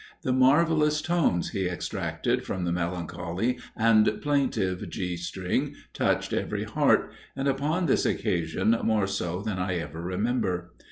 The marvellous tones he extracted from the melancholy and plaintive G string touched every heart; and upon this occasion more so than I ever remember.